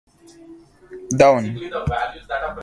The Public Transport Authority runs many services.